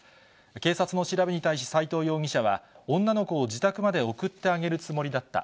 警察の調べに対し、斎藤容疑者は女の子を自宅まで送ってあげるつもりだった。